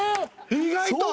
意外と！